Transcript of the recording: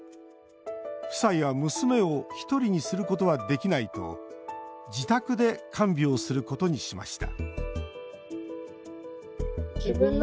夫妻は娘を１人にすることはできないと自宅で看病することにしました